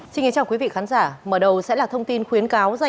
xin chào quý vị khán giả